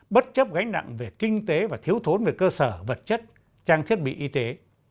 bất chấp gánh nặng về kinh tế và thiếu thốn về cơ sở vật chất trang thiết bị y tế